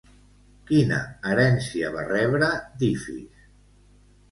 Quina herència va rebre d'Ífis?